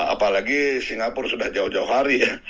apalagi singapura sudah jauh jauh hari ya